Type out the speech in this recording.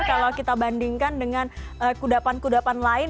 kalau kita bandingkan dengan kudapan kudapan lain